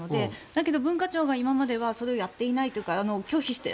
だけど文化庁が今まではそれをやっていないというか拒否して。